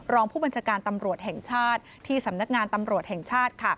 รองผู้บัญชาการตำรวจแห่งชาติที่สำนักงานตำรวจแห่งชาติ